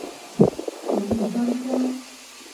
水利专家。